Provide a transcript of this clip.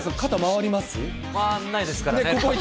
ないですからね。